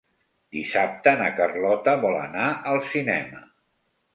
Dissabte na Carlota vol anar al cinema.